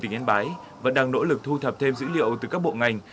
tỉnh yên bái vẫn đang nỗ lực thu thập thêm dữ liệu từ các bộ ngành